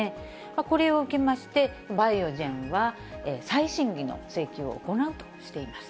これを受けまして、バイオジェンは再審議の請求を行うとしています。